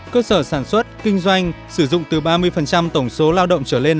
cơ sở sản xuất kinh doanh sử dụng từ ba mươi tổng số lao động trở lên